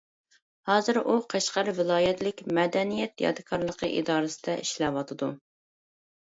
ھازىر ئۇ قەشقەر ۋىلايەتلىك مەدەنىيەت يادىكارلىقى ئىدارىسىدە ئىشلەۋاتىدۇ.